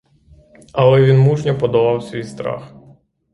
Але він мужньо подолав свій страх.